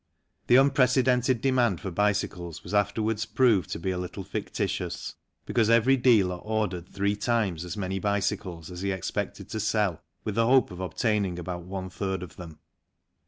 The unprecedented demand for bicycles was after wards proved to be a little fictitious, because every dealer ordered three times as many bicycles as he expected to sell with the hope of obtaining about one third of them.